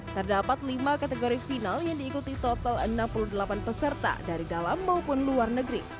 terdapat lima kategori final yang diikuti total enam puluh delapan peserta dari dalam maupun luar negeri